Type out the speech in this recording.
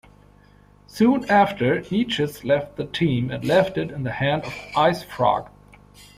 Soon after, Neichus left the team and left it in the hand of IceFrog.